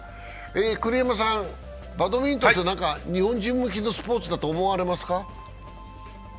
栗山さん、バドミントンって日本人向きのスポーツだと思われますか？